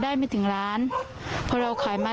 ความปลอดภัยของนายอภิรักษ์และครอบครัวด้วยซ้ำ